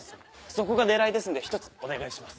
そこが狙いですんでひとつお願いします。